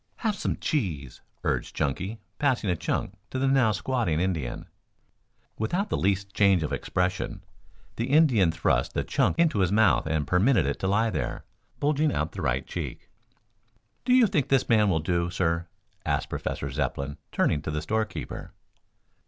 "Have some cheese," urged Chunky, passing a chunk to the now squatting Indian. Without the least change of expression the Indian thrust the chunk into his mouth and permitted it to lie there, bulging out the right cheek. "Do you think this man will do, sir?" asked Professor Zepplin, turning to the store keeper.